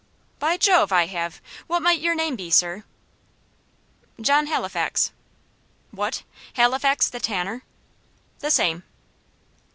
"By Jove! I have. What might your name be, sir?" "John Halifax." "What, Halifax the tanner?" "The same."